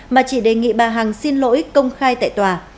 mà chỉ đề nghị bà hằng xin lỗi công khai tại tòa